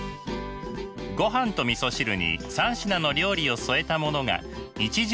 ごはんとみそ汁に３品の料理を添えたものが一汁三菜。